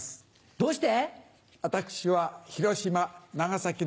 どうして？